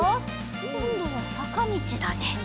こんどはさかみちだね。